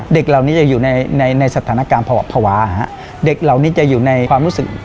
เด็กเรานี้จะอยู่ในสถานการณ์ประหวะ